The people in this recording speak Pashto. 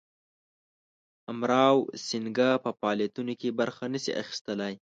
امراو سینګه په فعالیتونو کې برخه نه سي اخیستلای.